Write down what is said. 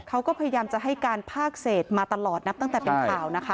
เขาก็พยายามจะให้การภาคเศษมาตลอดนับตั้งแต่เป็นข่าวนะคะ